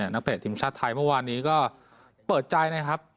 นักเตะทีมชาติไทยเมื่อวานนี้ก็เปิดใจนะครับ